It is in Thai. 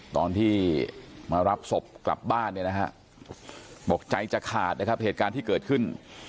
ตอนที่มารับศพกลับบ้านเนี่ยนะฮะบอกใจจะขาดนะครับเหตุการณ์ที่เกิดขึ้น